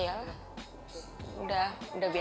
jadi enggak sih kalau ikut